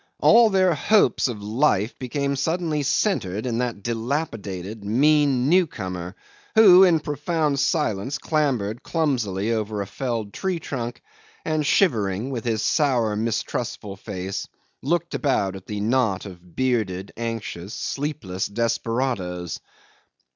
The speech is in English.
All their hopes of life became suddenly centered in that dilapidated, mean newcomer, who in profound silence clambered clumsily over a felled tree trunk, and shivering, with his sour, mistrustful face, looked about at the knot of bearded, anxious, sleepless desperadoes.